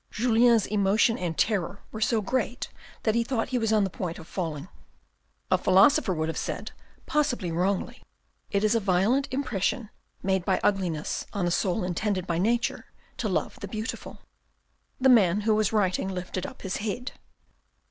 Julien's emotion and terror were so great that he thought he was on the point of falling. A philosopher would have said, possibly wrongly, " It is a violent impression made by ugliness on a soul intended by nature to love the beautiful." The man who was writing lifted up his head.